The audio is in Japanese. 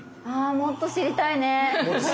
もっと知りたいですね。